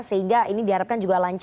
sehingga ini diharapkan